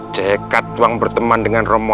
jaya katwa berteman dengan romo